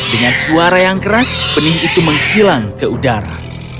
dengan suara yang keras benih itu menghilang ke udara